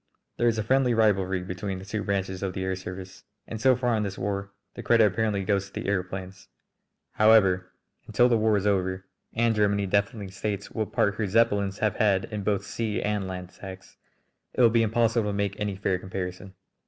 There is a friendly rivalry between the two branches of the air service, and so far in this war the credit apparently goes to the aëroplanes. However, until the war is over, and Germany definitely states what part her Zeppelins have had in both sea and land attacks, it will be impossible to make any fair comparison.